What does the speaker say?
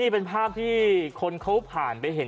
เป็นภาพที่คนเขาผ่านไปเห็น